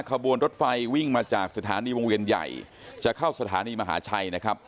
ขบวนรถไฟวิ่งมาจากสถานีวงเวียนใหญ่จะเข้าสถานีมหาชัยนะครับ